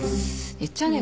言っちゃうね